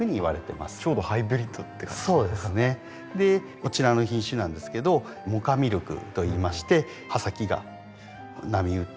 こちらの品種なんですけど萌花ミルクといいまして葉先が波打って。